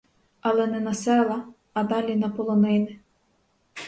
Але не на села, а далі на полонини.